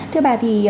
thưa bà thì